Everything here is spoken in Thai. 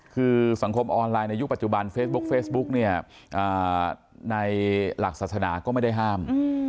คือสังคมออนไลน์ในยุคปัจจุบันเฟซบุ๊กเฟซบุ๊กเนี่ยในหลักศาสนาก็ไม่ได้ห้าม